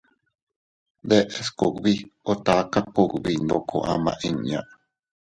Deʼes kugbi o taka kugbi ndoko ama inña.